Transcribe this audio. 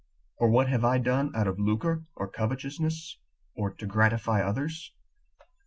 or what have I done out of lucre or covetousness, or to gratify others?